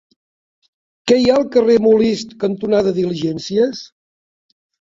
Què hi ha al carrer Molist cantonada Diligències?